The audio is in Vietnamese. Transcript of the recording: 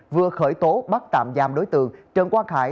vừa khởi tố bắt tạm giam đối tượng trần quang khải